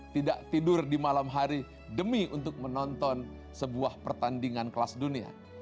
tidak tidur di malam hari demi untuk menonton sebuah pertandingan kelas dunia